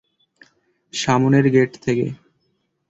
সামনের গেট থেকে।